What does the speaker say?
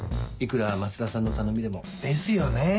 いくら松田さんの頼みでも。ですよね。